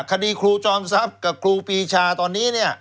คดีครูจอมทรัพย์กับครูปีชาตอนนี้เนี่ย